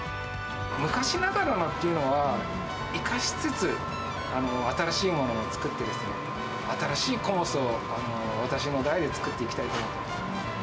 昔ながらのっていうのは、生かしつつ、新しいものを作ってですね、新しいコモスを私の代で作っていきたいと思ってます。